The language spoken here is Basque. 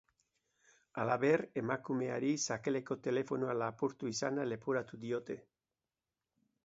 Halaber, emakumeari sakelako telefonoa lapurtu izana leporatu diote.